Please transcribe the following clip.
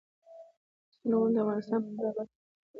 ستوني غرونه د افغانستان په هره برخه کې موندل کېږي.